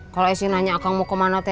kalau esi nanya akang mau kemana